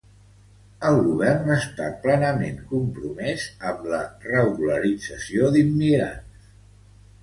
El Govern està plenament compromès amb la regularització immigrants.